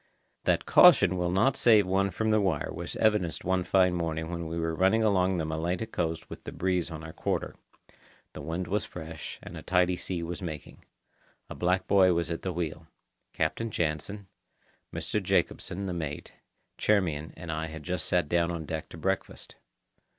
That caution will not save one from the wire was evidenced one fine morning when we were running along the Malaita coast with the breeze on our quarter. The wind was fresh, and a tidy sea was making. A black boy was at the wheel. Captain Jansen, Mr. Jacobsen (the mate), Charmian, and I had just sat down on deck to breakfast.